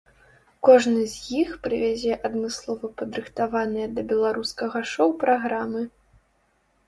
Кожны з іх прывязе адмыслова падрыхтаваныя да беларускага шоў праграмы.